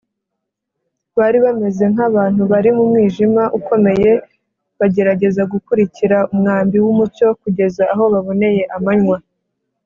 Bari bameze nk’abantu bari mu mwijima ukomeye bagerageza gukurikira umwambi w’umucyo kugeza aho baboneye amanywa